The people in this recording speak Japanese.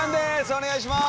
お願いします。